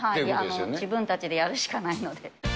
自分たちでやるしかないので。